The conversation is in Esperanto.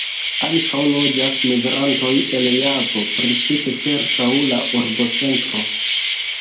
Ankaŭ loĝas migrantoj el Javo precipe ĉirkaŭ la urbocentro.